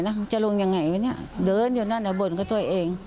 มันจะลงอย่างไรรึไงเดินอยู่นั่นเบิลก็ตัวเอง